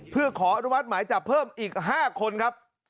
เพื่อขออนุมัติหมายจับเพิ่มอีก๕คนครับ